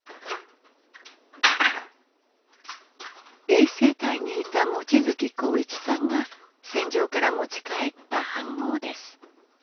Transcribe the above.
衛生隊にいた望月耕一さんが戦場から持ち帰ったはんごうです。